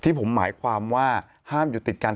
ผมหมายความว่าห้ามอยู่ติดกัน